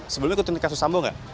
sebelumnya aku tuntik kasus sambo nggak